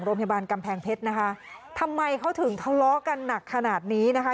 โรงพยาบาลกำแพงเพชรนะคะทำไมเขาถึงทะเลาะกันหนักขนาดนี้นะคะ